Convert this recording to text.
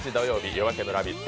「夜明けのラヴィット！」